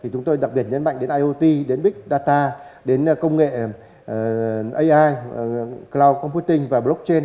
chúng tôi đặc biệt nhấn mạnh đến iot big data đến công nghệ ai cloud computing và blockchain